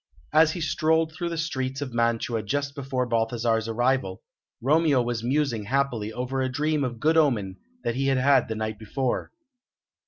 As he strolled through the streets of Mantua just before Balthasar's arrival, Romeo was musing happily over a dream of good omen that he had had the night before.